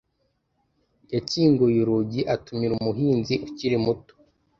yakinguye urugi atumira umuhinzi ukiri muto